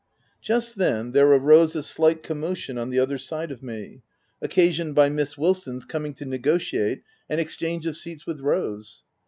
Just then, there arose a slight commotion on the other side of me, occasioned by Miss Wil son 's coming to negotiate an exchange of seats with Rose.